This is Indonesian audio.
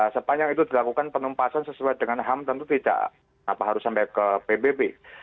sepanjang itu dilakukan penumpasan sesuai dengan ham tentu tidak harus sampai ke pbb